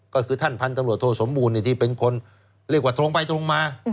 ก็คือท่านพันธุ์จังหลวดโทษสมบูรณ์เนี่ยที่เป็นคนเรียกว่าทรงไปทรงมา